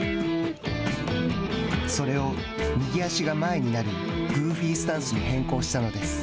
それを、右足が前になる「グーフィースタンス」に変更したのです。